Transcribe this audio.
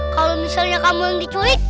kalau misalnya kamu yang diculik